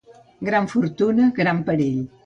Gran fortuna, gran perill.